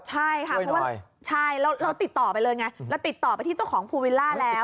ใช่ค่ะเราติดต่อไปเลยไงเราติดต่อไปที่เจ้าของภูวิล่าแล้ว